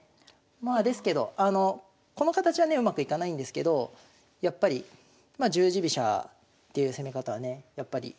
まあですけどこの形はねうまくいかないんですけどやっぱりまあ十字飛車っていう攻め方はね